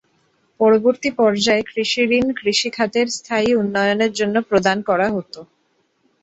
পরবর্তী পর্যায়ে কৃষিঋণ কৃষিখাতের স্থায়ী উন্নয়নের জন্য প্রদান করা হতো।